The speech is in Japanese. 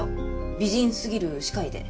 美人すぎる歯科医で。